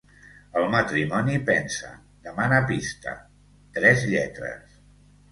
El matrimoni pensa, demana pista: «Tres lletres».